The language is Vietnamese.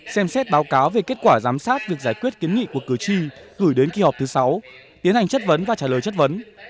xem xét báo cáo về kết quả giám sát việc giải quyết kiến nghị của cử tri gửi đến kỳ họp thứ sáu tiến hành chất vấn và trả lời chất vấn